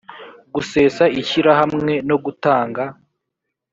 gusesa ishyirahamwe no gutanga